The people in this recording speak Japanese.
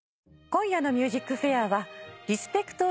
今夜の『ＭＵＳＩＣＦＡＩＲ』はリスペクト！！